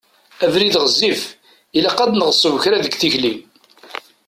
Abrid ɣezzif, ilaq ad neɣṣeb kra deg tikli.